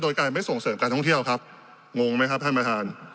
โดยการไม่ส่งเสริมการท่องเที่ยวครับงงไหมครับท่านประธาน